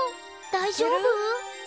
大丈夫？